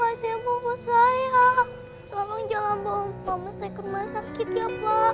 tolong jangan bawa mama saya ke rumah sakit ya pak